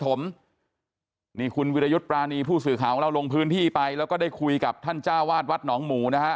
นี่คุณวิรยุทธ์ปรานีผู้สื่อข่าวของเราลงพื้นที่ไปแล้วก็ได้คุยกับท่านเจ้าวาดวัดหนองหมูนะฮะ